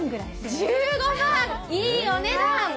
１５万、いいお値段。